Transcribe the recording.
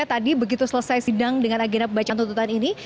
tadi begitu selesai sidang dengan agenda pembacaan tuntutan ini